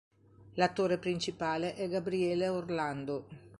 L'attore principale è Gabriele Orlando.